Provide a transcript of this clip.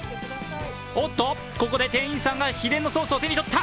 おっと、ここで店員さんが秘伝のソースを手にとった。